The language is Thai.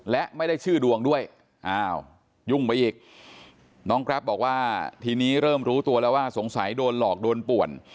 และไม่ได้ชื่อดวงด้วยอ้าวยุ่งไปอีกน้องแกรปบอกว่าทีนี้เริ่มรู้ตัวแล้วว่าสงสัยโดนหลอกโดนป่วน